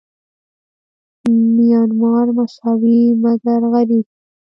میانمار مساوي مګر غریب دی.